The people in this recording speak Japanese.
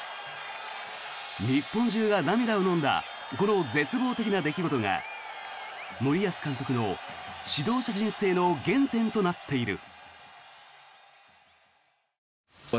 日本中が涙をのんだこの絶望的な出来事が森保監督の指導者人生の原点となっている。